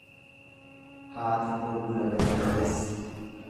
Haati koo bula ganama keessa.